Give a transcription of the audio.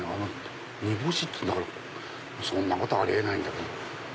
煮干しっつうんだからそんなことあり得ないんだけど。